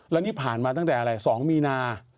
แล้วนี่ผ่านมาตั้งแต่อะไร๒มีนา